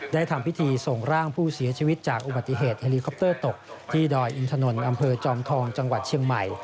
ทำพิธีส่งร่างผู้เสียชีวิตจากอุบัติเหตุเฮลิคอปเตอร์ตกที่ดอยอินทนนท์อำเภอจอมทองจังหวัดเชียงใหม่